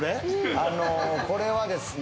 あのこれはですね